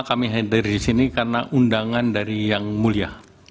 kami hadir di sini karena undangan dari yang mulia